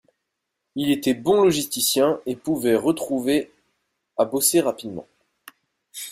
Il était bon logisticien et pouvait retrouver à bosser rapidement.